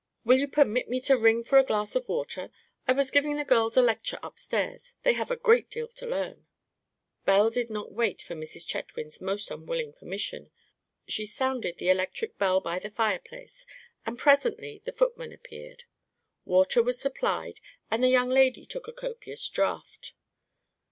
Will you permit me to ring for a glass of water? I was giving the girls a lecture upstairs; they have a great deal to learn." Belle did not wait for Mrs. Chetwynd's most unwilling permission. She sounded the electric bell by the fireplace, and presently the footman appeared. Water was supplied, and the young lady took a copious draught.